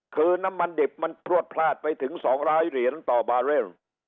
คือน้ำมันดิบมันพลวดพลาดไปถึง๒๐๐เหรียญต่อบาร์เรล